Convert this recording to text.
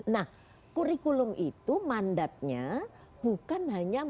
nah kurikulum itu mandatnya bukan hanya